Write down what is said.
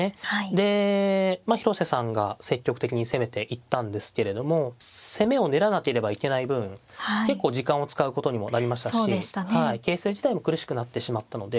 で広瀬さんが積極的に攻めていったんですけれども攻めを練らなければいけない分結構時間を使うことにもなりましたし形勢自体も苦しくなってしまったので。